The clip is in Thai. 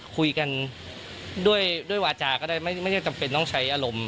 คุยกันด้วยวาจาก็ได้ไม่ใช่จำเป็นต้องใช้อารมณ์